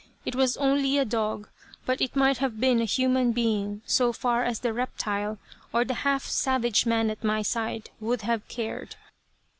It was only a dog, but it might have been a human being, so far as the reptile, or the half savage man at my side, would have cared.